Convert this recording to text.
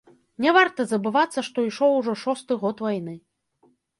Не варта забывацца, што ішоў ужо шосты год вайны.